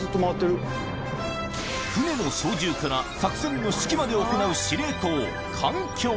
船の操縦から作戦の指揮まで行う司令塔艦橋